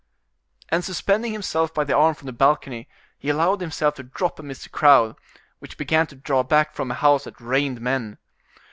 And suspending himself by the arm from the balcony, he allowed himself to drop amidst the crowd, which began to draw back form a house that rained men.